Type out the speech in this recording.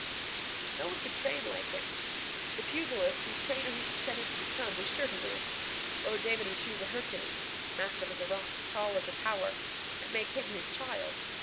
No one could train like him. The pugilist whose trainer he consented to become was sure to win. Lord David would choose a Hercules massive as a rock, tall as a tower and make him his child.